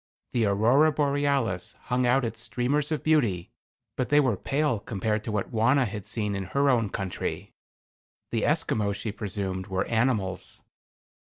The Aurora Borealis hung out its streamers of beauty, but they were pale compared to what Wauna had seen in her own country. The Esquimaux she presumed were animals.